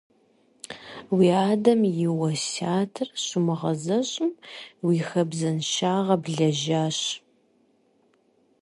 Уи адэм и уэсятыр щумыгъэзэщӀэм, уэ хабзэншагъэ блэжьащ.